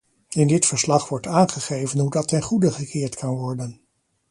In dit verslag wordt aangegeven hoe dat ten goede gekeerd kan worden.